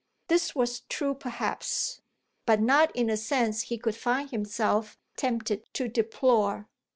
This was true perhaps, but not in a sense he could find himself tempted to deplore.